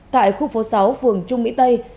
tại khu phố sáu phường trung mỹ tây